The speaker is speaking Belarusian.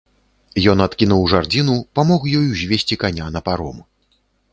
Ён адкінуў жардзіну, памог ёй узвесці каня на паром.